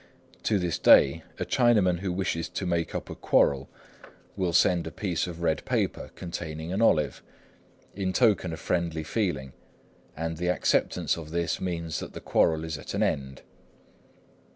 To this day, a Chinaman who wishes to make up a quarrel will send a piece of red paper containing an olive, in token of friendly feeling; and the acceptance of this means that the quarrel is at an end.